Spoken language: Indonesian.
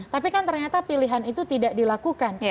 tapi kan ternyata pilihan itu tidak dilakukan